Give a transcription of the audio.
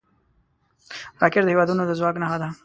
راکټ د هیوادونو د ځواک نښه ده